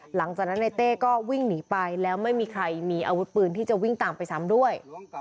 หลังจากนั้นในเต้ก็วิ่งหนีไปแล้วไม่มีใครมีอาวุธปืนที่จะวิ่งตามไปซ้ำด้วย